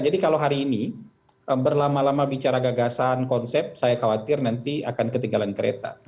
jadi kalau hari ini berlama lama bicara gagasan konsep saya khawatir nanti akan ketinggalan kereta